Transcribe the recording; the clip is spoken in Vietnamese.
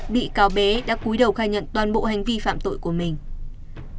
bị cáo bế đã cuối đầu khai nhận toàn bộ hành vi phạm tội của mình